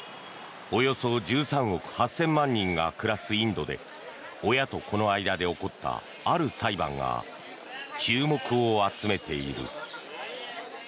およそ１３億８０００万人が暮らすインドで親と子の間で起こったある裁判が注目を集めている。